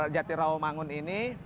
jati rawamangun ini